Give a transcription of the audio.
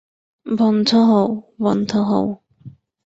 বন্ধ হও, বন্ধ হও।